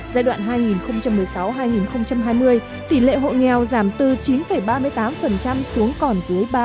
giai đoạn hai nghìn một mươi sáu hai nghìn hai mươi tỷ lệ hộ nghèo giảm từ chín ba mươi tám xuống còn dưới ba